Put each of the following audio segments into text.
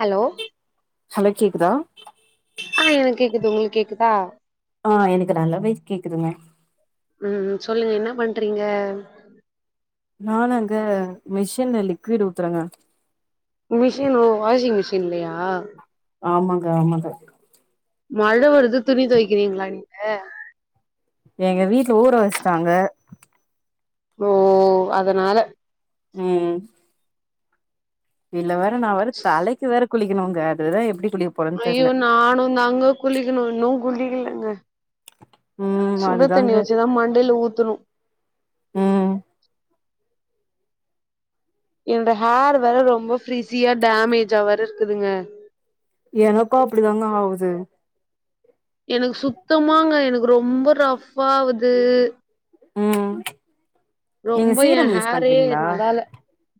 Hello hello கேக்குதா ஆ எனக் கேக்குது உங்களுக்கு கேக்குதா ஆ எனக்கு நல்லாவே கேக்குதுங்க ம் சொல்லுங்க என்ன பண்றீங்க நானாங்க மிஷின்ல லிக்விட் ஊத்துறங்க மிஷின் ஓ வாஷிங் மிஷின்லியா ஆமாங்க ஆமாங்க மழ வருது துணி துவைக்கிறீங்களா நீங்க எங்க வீட்ல ஊற வஸ்ட்டாங்க ஓ அதனால ம் இதுல வேற நா வேற தலைக்கு வேற குளிக்கணுங்க அதுதா எப்டி குளிக் ஐயோ நானு தாங்க குளிக்கணு இன்னு குளிக்கலங்க ம் சுட தண்ணி அதுதாங்க வச்சுதா மண்டையில ஊத்துணு ம் என்னோட ஹோர் வேற ரொம்ப ஃப்ரிஸியா டேமேஜா வேர இருக்குதுங்க எனக்கு அப்படிதாங்க ஆவுது எனக்கு சுத்தமாங்க எனக்கு ரொம்ப ரஃப் ஆவுது ம் நீங்க ரொம்ப என் சீரம் யூஸ் ஹேரே பண்றீங்களா நல்லால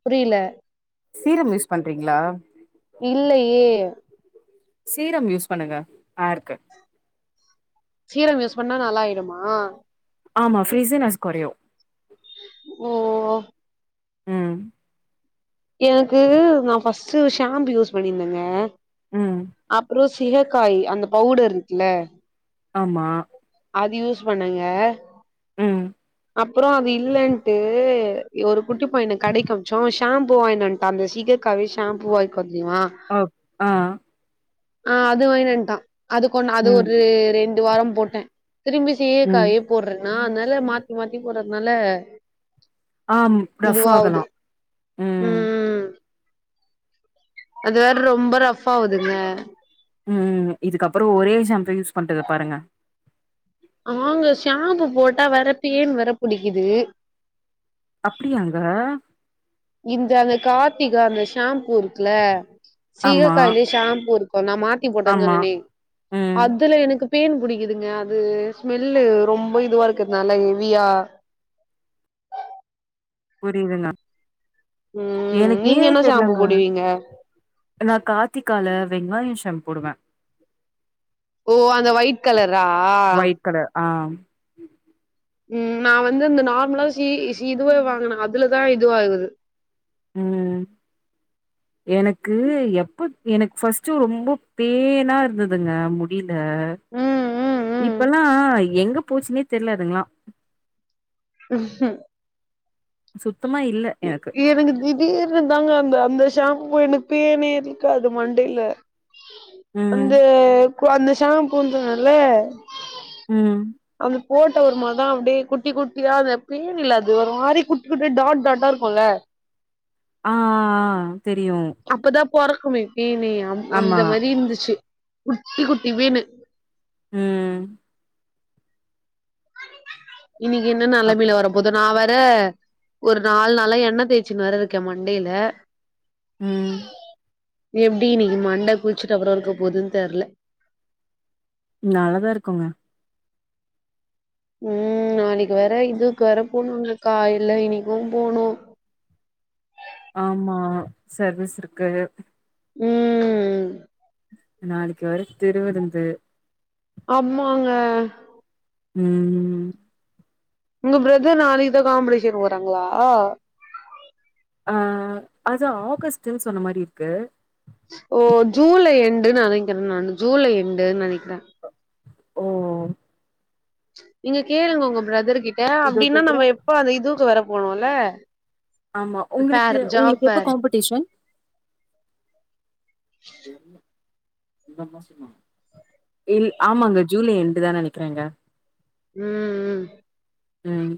புரில சீரம் யூஸ் பண்றீங்ளா இல்லையே சீரம் யூஸ் பண்ணுங்க ஹேர்க்கு சீரம் யூஸ் பண்ணா நல்லாயிடுமா ஆ ஆமா ஃப்ரீஸிநஸ் கொறையு ஓ ம் எனக்கு நா ஃபஸ்ட்டு ஷாம்பு யூஸ் பண்ணியிருந்தேங்க ம் அப்றோ சீகக்காய் அந்த பவுடர் இருக்குல்ல ஆமா அது யூஸ் பண்ணங்க ம் அப்றோ அது இல்லன்ட்டு ஒரு குட்டி பையன கடைக்கு அம்ச்சோ ஷாம்பூ வாயின் வன்ட்டா அந்த சீகக்காவே ஷாம்பூவா இருக்கு தெரியுமா ஓ ஆ ஆ அது வாங்கின் வன்ட்டான் அதுக்கொன்னு அது ம் ஒரு ரெண்டு வாரோ போட்டே திரும்பி ம் சீயக்காயே போடுறன்னா அதனால மாத்தி மாத்தி போர்றதுனால ஆம் ரஃப் இதுவாவுது ஆகலாம். ம் அது வேற ரொம்ப ரஃபா ஆவுதுல்ல ம் இதுக்கப்றோ ஒரே ஷாம்ப யூஸ் பண்றத பாருங்க ஆ ங்க ஷாம்பு போட்டா வேற பேன் வேற புடிக்குது அப்டியாங்க இந்த அந்த கார்த்திகா அந்த ஷாம்பூ இருக்குல ஆமா, சீயக்காலே ஷாம்பூ இருக்கு நா மாத்தி போட்டே ஆமா. சொன்னனே ம். அதுல எனக்கு பேன் புடிக்குதுங்க அது ஸ்மெல்லு ரொம்ப இதுவா இருக்கறதுனால ஹெவியா புரியுதுங்க ம் எனக்கு நீங்க ஏனே என்ன ஷாம்பு தெர்லங்க போடுவீங்க? நா கார்த்திகால வெங்காயோ ஷாம் போடுவே ஓ அந்த ஒயிட் கலரா ஒயிட் கலர் ஆ ம் நா வந்து இந்த நார்மலா சீ சி இதுவே வாங்குனே அதுலதா இதுவாகுது ம் எனக்கு எப்ப எனக்கு ஃபஸ்ட்டு ரொம்ப பேனா இருந்துதுங்க டில ம் ம் ம். இப்பல்லா எங்க போச்சுன்னே தெர்ல அதுங்ளா ம் ஹும் சுத்தமா இல்ல எனக்கு திடீர்னு தாங்க அந்த அந்த ஷாம்பூ எனக் பேனே இருக்காது மண்டைல ம். அந்த கு அந்த ஷாம்புனால ம் அந்த போட்ட ஒருமாதா அப்டே குட்டி குட்டியா அந்த பேன் இல்ல அது ஒரு மாரி குட்டி குட்டி டாட் டாட்டா இருக்குல்ல ஆ ஆ ஆ தெரியு அப்பதா பொறக்குமே பேனே ஆமா. அந்த மாரி இருந்துச்சு குட்டி குட்டி பேனு ம் இன்னைக்கு என்ன அப் நெலமைல வர போதோ நா வேற ஒரு நால் நாளா எண்ண தேய்ச்சின் வேற இருக்கே மண்டைல ம். எப்டி இன்னைக்கு மண்ட குளிச்சிட்ட அப்றோ இருக்க போதுன் தெர்ல நல்லா தா இருக்குங்க ம் நாளைக்கு வேற இதுக்கு வேற போனுங்கக்கா இல்ல இன்னைக்கு போனு ஆமா சர்வீஸ்ருக்கு ம் நாளைக்கு வேற திரு விருந்து ஆமாங்க ம் உங்க பிரதர் நாளைக்குதா காம்பிடிஷன் போறாங்களா ஆ அது ஆகஸ்ட்டுன் சொன்ன மாரி இருக்கு ஓ ஜூலை எண்டுன் நெனைக்குறே நானு ஜூலை எண்டுன்னு நெனைக்குறே ஓ நீங்க கேளுங்க உங்க பிரதர்கிட்ட இதோ அப்டின்னா கேக்குற நம்ப எப்ப அந்த இதுவுக்கு வேற போனுல ஆமா உங்குளுக்கு உங்குளுக்கு எப்ப காம்ப் டிஷன் இல் ஆமாங்க ஜூலை எண்டு தா நெனைக்கிறேங்க ம் ம் ம்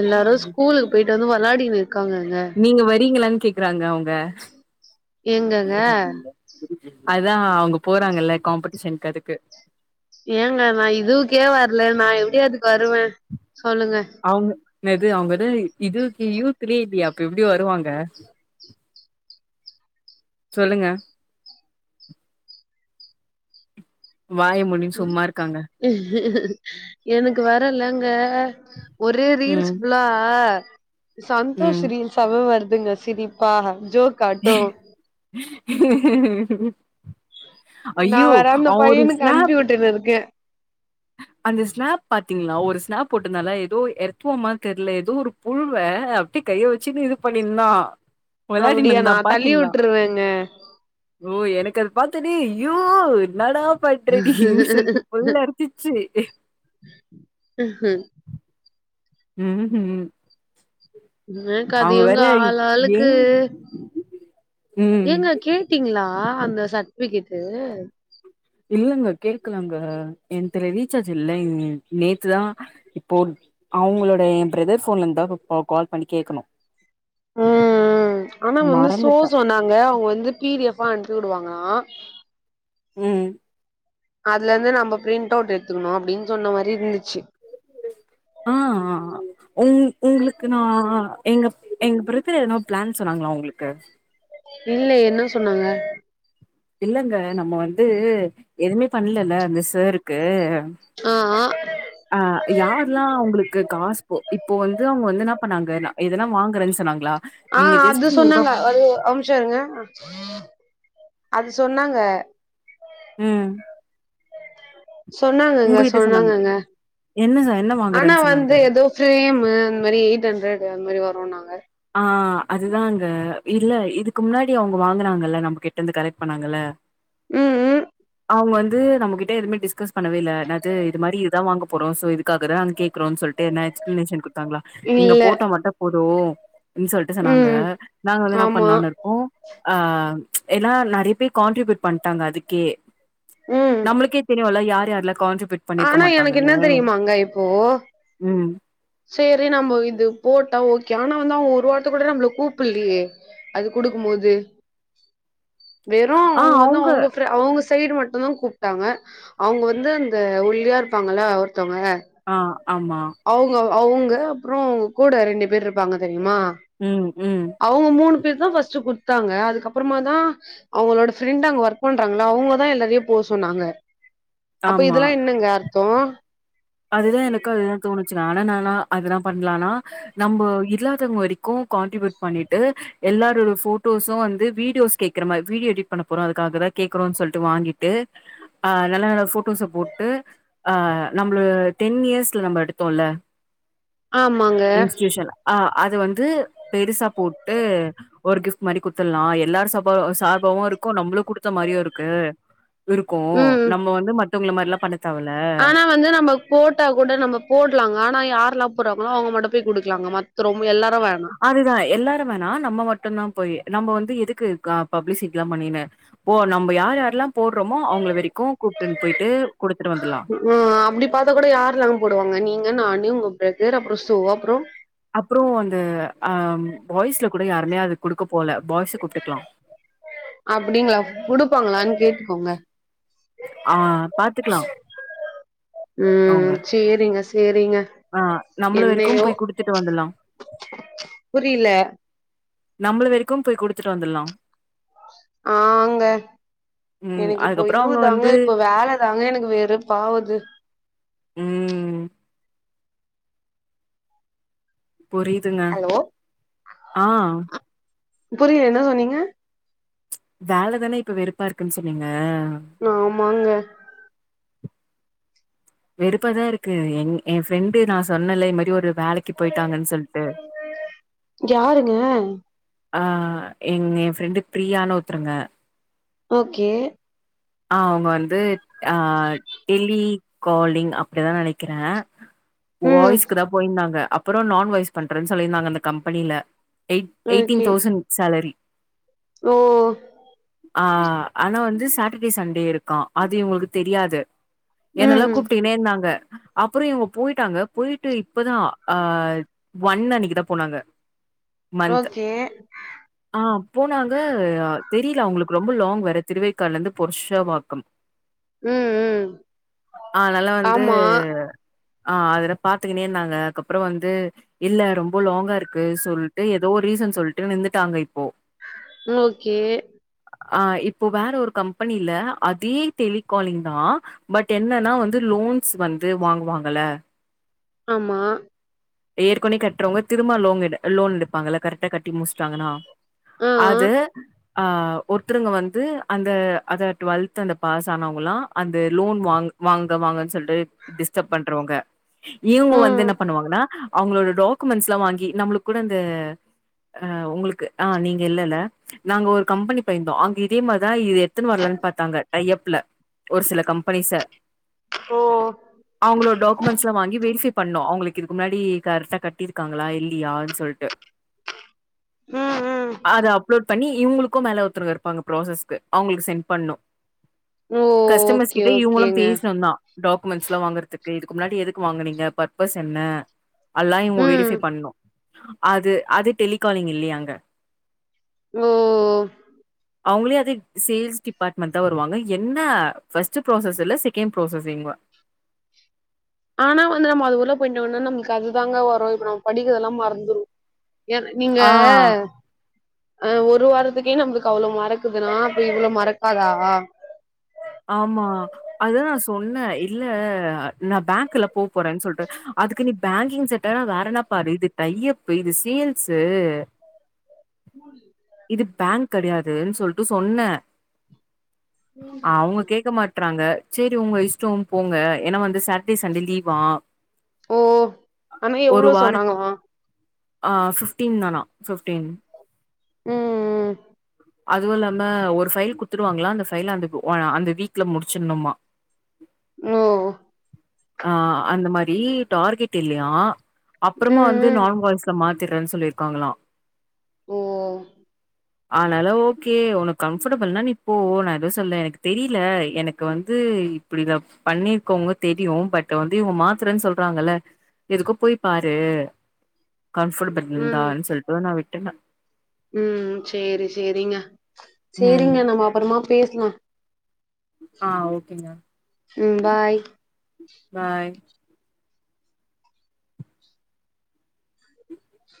எல்லாரு ஸ்கூலுக்கு போய்ட்டு வந்து வெளாடினுருக்காங்கங்க நீங்க வரீங்ளானு கேக்குறாங்க அவுங்க எங்கங்க அதா அவுங்க போறாங்கல்ல காம்படிஷனுக்கு அதுக்கு ஏங்க நா இதுவ்க்கே வர்ல நா எப்டி அதுக்கு வருவே சொல்லுங்க அவுங்க என்னது அவுங்கதா இதுகி யூத்துலயே இல்லயே அப்ப எப்டி வருவாங்க சொல்லுங்க வாய மூடின் சும்மாருக்காங்க எனக்கு வரலங்க ஒரே ரீல்ஸ் ம் புல்லா சந்தோஷ் ரீல்ஸ் ஸாவே வருதுங்க சிரிப்பா ஜோக் நா அய்யோ வேற அந்த அவுரு பையனுக்கு அனுப்பி ஸ்நாப் விட்டுன்னு இருக்கே அந்த ஸ்நாப் பாத்தீங்களா ஒரு ஸ்நாப் போட்ந்தால எதோ எர்த்துவமா தெர்ல எதோ ஒரு புழுவ அப்டி கைய வச்சுனு இது பண்ணிந்தா வெளாட் ப்டியா நா தள்ளி விட்ருவேங்க ஓ எனக்கு அது பாத்தோனே ய்யோ என்னடா பண்ற நீனு சொல்ட்டு விட்டுருவேங்க புல் அரிசிச்சு ம் ஹும் ம் என்கு அது இவுங்க ஆள்ளாளுக்கு ஏன் ம் ஏங்க கேட்டீங்களா அந்த சர்ட்ஃபிகேட்டு இல்லங்க கேக்லங்க என்த்ல ரீச்சார்ஜு இல்லைங் நேத்து தா இப்போ அவுங்களோட எ பிரதர் ஃபோன்லந்து தா இப்ப கால் பண்ணி கேக்கணு ம் ம் ஆனா வந்து சோ மறந்துட்ட சொன்னாங்க அவுங்க வந்து பி டி எஃப் ஃபா அனுப்பிவுடுவாங்களா ம் அதுலந்து நம்ப பிரிண்ட் அவுட் எத்துக்ணு அப்டின்னு சொன்ன மாரி இந்துச்சு ஆ ஆ அ உங் உங்ளுக்கு நா எங்க எங் பிரதர் எதனா ப்ளான் சொன்னாங்களா உங்ளுக்கு இல்ல என்ன சொன்னாங்க இல்லங்க நம்ம வந்து எதுமே பண்லல அந்த சாருக்கு ஆ ஹா அ யார்ல்லா அவுங்களுக்கு காசு போ இப்போ வந்து அவுங்க வந்து இன்னா பண்ணாங்கனா இதெல்லா வாங்றேனு சொன்னாங்ளா ஆ அது சொன்னாங்க அது ஒரு நிம்ஷோ இருங்க அது சொன்னாங்க ம் சொன்னாங்கங்க உங்ககிட்ட சொன்னாங்க சொன்னாங்கங்க என்ன சார் என்ன ஆனா வாங்குறேன்னு சொன்னாங்க வந்து எதோ ஃபிரேம்மு அந்தமாரி எயிட் அண்ட்ரட் அது மாரி வருனாங்க ஆ அதுதாங்க இல்ல இதுக்கு முன்னாடி அவுங்க வாங்குனாங்கல்ல நம்ம கிட்டந்து கரெட் பண்ணாங்கல்ல ம் ம் அவுங்க வந்து நம்ம கிட்ட எதுமே டிஸ்கஸ் பண்ணவேல்ல என்னது இது மாரி இதா வாங்க போறோ சோ இதுக்காகதா நாங்க கேக்குறோ சொல்ட்டு எத்னா எக்ஸ்பிளனேஷன் குட்த்தாங்ளா நீங்க இல்ல போட்டா மட்டு போது [unintelligible] சொல்ட்டு சொன்னாங்க ம் நாங்க வந்து இன்னா ஆமா பண்ணலானுரு ஒ ஆ எல்லா நெறைய பேரு கான்ட்ரிபியூட் பண்ட்டாங்க அதுக்கே ம் நம்ளுக்கே தெரியுல யார் யார்லா கான்ட்ரிபுயூட் ஆனா எனக்கு என்ன தெரியுமாங்க இப்போ ம் சேரி நம்மோ இது போட்டா ஓகே ஆனா வந்து அவுங்க ஒரு வார்த்த கூட நம்மள கூப்புலயே அது குடுக்கு‌ போது வெறு ஆ அவுங்க வந்து அவங்க அவுங்க று அவுங்க சைடு மட்டு தா கூப்ட்டாங்க அவுங்க வந்து அந்த ஒல்லியா இருப்பாங்கள ஒருத்தவங்க ஆ ஆமா அவுங்க அவுங்க அப்புற அவங்க கூட ரெண்டு பேர் இருப்பாங்க தெரியுமா ம் ம் அவுங்க மூணு பேரு தா ஃபர்ஸ்ட் குடுத்தாங்க அதுக்கப்பறமா தா அவுங்களோட ஃப்ரெண்ட் அங்க ஒர்க் பண்றாங்களா அவங்கதா எல்லாரையு போ சொன்னாங்க அப்ப இதெல்லா என்னங்க அர்த்தோ அதுதா எனக்கு அதுதா தோணுச்சு ஆனா நாலா அதுல்லா பண்லானா நம்ப இல்லாத வரைக்கு கான்ட்ரிபியூட் பண்ணிட்டு எல்லாரோட போட்டோஸு வந்து வீடியோஸ் கேக்குற மாரி வீடியோ எடிட் பண்ண போறோ அதுக்காகதா கேக்குறோம்னு சொல்ட்டு வாங்கிட்டு ஆ நல்ல நல்ல ஃபுட் டுஸ போட்டு அ நம்மள டென் இயர்ஸ்ல நம்ப எடுத்தோல ஆமாங்க இன்ஸ்டியுஷன் ஆ அத வந்து பெருசா போட்டு ஒரு கிஃப்ட் மாரி குத்துடலா எல்லாரு சாப சார்பாவு இருக்கு நம்மளு குடுத்த மாரியு இருக்கு விருக்கோ ம் நம்ம வந்து மத்தவங்கள மாரிலா பண்ணத் தேவயில்ல ஆனா வந்து நம்ம போட்டா கூட நம்ம போடலாங்க ஆனா யாரெல்லா போடுறாங்களோ அவுங்க மட்டு போய் குடுக்கலாங்க மத்த ரொம்ப எல்லாரு வேணா அதுதா எல்லாரு வேணா நம்ம மட்டுந்தா போய் நம்ம வந்து எதுக்கு க பப்ளிசிட்டி எல்லா பண்ணினு ஓ நம்ம யார் யாரெல்லா போடுறோமோ அவங்கள வரைக்கு கூப்ட்டுன்டு போயிட்டு கொடுத்துட்டு வந்துடலா ம் அப்படி பாத்தா கூட யார் [unintelligible] போடுவாங்க நீங்க நானு உங்க பிரதர் அப்பற ஷூவா அப்றோ அப்புறோ அந்த அ பாய்ஸ்ல கூட யாருமே அது குடுக்க போல பாய்ஸ கூப்டுக்கலா அப்டிங்களா குடுப்பாங்களான் கேட்டுக்கோங்க ஆ பாத்துக்கலா அவுங்க ம் சேரிங்க சேரிங்க ஆ நம்மள வரைக்கு என்னையோ போய் குடுத்துட்டு வந்துலா புரில நம்மள வரைக்கு போய் குடுத்துட்டு வந்துடலா ஆ ங்க ம். எனக்கு இப்போ அதுக்கப்புறம் இதுவு அவங்க வந்து தாங்க இப்ப வேல தாங்க எனக்கு வெறுப்பாவுது ம் புரியுதுங்க ஹலோ ஆ புரில என்ன சொன்னீங்க வேல தானே இப்ப வெறுப்பா இருக்குன்னு சொன்னீங்க ஆமாங்க வெறுப்பா தா இருக்கு எங் எ ஃப்ரெண்டு நான் சொன்னல இந்த மாரி ஒரு வேலைக்கு போயிட்டாங்கன்னு சொல்ட்டு யாருங்க ஆ எங்க என் ஃப்ரெண்டு பிரியான்னு ஒருத்தருங்க ஓகே அவங்க வந்து ஆ டெலி காலிங் அப்டிதா நெனைக்கிறே ம் வாய்ஸ்க்குதா போயிருந்தாங்க அப்பறோ நான் வாய்ஸ் பண்றன்னு சொல்லியிருந்தாங்க அந்த கம்பெனில eight eighteen okay thousand salary ஓ ஆ ஆனா வந்து சாட்டர்டே சண்டே இருக்கா அது இவங்களுக்கு தெரியாது ம் என்னெல்லா ம் கூப்ட்டுகினே இருந்தாங்க அப்பறோ இவங்க போயிட்டாங்க போயிட்டு இப்பதா அ ஒன் அன்னைக்குதா போனாங்க மந்த் ஓகே ஆ போனாங்க தெரில அவங்களுக்கு ரொம்ப லாங் வேற திருவேற்காடுலந்து புருஷவாக்கம் ம் ம் அதனால வந்து ஆமா ஆ அதுல பாத்துக்கினே இருந்தாங்க அதுக்கப்றோ வந்து இல்ல ரொம்ப லாங்கா இருக்கு சொல்லிட்டு ஏதோ ரீசன் சொல்லிட்டு நின்ந்துட்டாங்க இப்போ ஓகே அ இப்போ வேற ஒரு கம்பெனில அதே டெலிகாலிங்தா பட் என்னன்னா வந்து லோன்ஸ் வந்து வாங்குவாங்கல ஆமா ஏற்கனவே கட்றவங்க திரும்பா லோன் லோன் எடுப்பாங்கல்ல கரெக்டா கட்டி முடிச்டாங்கன்னா ஆ அது ஆ ஒருத்தருங்க வந்து அந்த அத டுவெல்த் அந்த பாஸ் ஆனவங்களா அந்த லோன் வாங் வாங்க வாங்கன்னு சொல்ட்டு டிஸ்டர்ப் பண்றவங்க இவுங்க வந்து ம் என்ன பண்ணுவாங்கனா அவுங்களோட டாக்குமெண்ட்ஸ்லா வாங்கி நம்மளுக்கூட அந்த அ உங்களுக்கு ஆ நீங்க இல்லல்ல நாங்க ஒரு கம்பெனி போயிந்தோ அங்க இதே மாரிதா இது எத்துனு வரலான்னு பாத்தாங்க டையப்ல ஒரு சில கம்பெனிஸ்ச ஓ அவங்களோட டாக்குமெண்டஸ்லா வாங்கி வெரிஃபை பண்ணு அவுங்குளுக்கு இதுக்கு முன்னாடி கரெக்டா கட்டிருக்காங்களா இல்லியானு சொல் க ம் ம் அத அப்லோட் பண்ணி இவுங்ளுக்கு மேல ஒருத்தருவுங்க இருப்பாங்க ப்ராசஸ்க்கு அவுங்களுக்கு சென்ட் பண்ணு ஓ கஸ்டமர்ஸ் ஓகே கிட்ட இவுங்குளு ஓகேங்க பேசணுதா டாக்குமெண்ட்ஸ்லா வாங்கறதுக்கு இதுக்கு முன்னாடி எதுக்கு வாங்குனீங்க பர்பஸ் என்ன அல்லா இவுங்க ம் வெரிஃபை பண்ணு அது அது டெலிகாலிங் இல்லியா அங்க ஓ அவுங்களே அதே சேல்ஸ் டிபார்ட்மெண்ட்தா வருவாங்க என்ன ஃபர்ஸ்ட் ப்ராசஸ் இல்ல செகண்ட் ப்ராசஸிங் ஆனா வந்து நம்ம அது உள்ள போயிட்டோனா நம்ளுக்கு அதுதாங்க வரு இப்ப நம்ப படிக்கிறதெல்லா மறந்துரு என்ன நீங்க ஆ அ ஒரு வாரத்துக்கே நம்பளுக்கு அவ்ளோ மறக்குதுன்னா அப்ப இவ்ளோ மறக்காதா ஆமா அதுதா நா சொன்ன இல்ல நா பேங்க்ல போ போறேன்னு சொல்ட்டு அதுக்கு நீ பேங்கிங்ஸ் வேணா வேறன்னா பாரு இது டையப்பு, இது சேல்ஸ்சு ஸ்கூலு இது பேங்க் கடையாதுனு சொல்ட்டு சொன்ன அவுங்க கேக்க மாட் றாங்க சேரி உங்க இஷ்டோ போங்க ஏன்னா வந்து சாட்டர்டே சண்டே லீவா ஓ ஆனா எவ்ளோ சொன்னாங்கவா அ, ஃபிப்டீன் தானா ஃபிப்டீன் ம் ம் அதுவு இல்லாம ஒரு ஃபைல் குத்துடுவாங்களா அந்த ஃபைல்ல அந்த அந்த வீக்ல முடிச்சுடணுமா ஓ ஆ அந்த மாரி டார்கெட் இல்லையா அப்பறமா ம் வந்து ம் நான் வாய்ஸ்ல மாத்திறேன்னு சொல்லியிருக்காங்களா ஓ ஆனால ஓகே ஒனக்கு கம்ஃபர்டபுல்னா நீ போ நா எதுவு சொல்லல எனக்கு தெரில எனக் கு வந்து இப்புடி இத பண்ணிருக்கவுங்க தெரியு பட் வந்து இவுங்க மாத்துரேன்னு சொல்றாங்கல்ல எதுக்கு போய் பாரு கம்பர்டபிள் ம் இந்தான்னு சொல்லிட்டு நா விட்டுட்டே ம் சேரி சேரிங்க ம் சேரிங்க நம்ம அப்பறமா பேசலா ஆ ஓகேங்க ம் பாய் பாய்